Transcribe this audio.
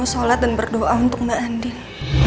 bisa sholat dan berdoa untuk mba andin